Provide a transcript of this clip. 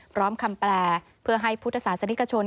พร้อมคำแปลเพื่อให้พุทธศาสนิกชน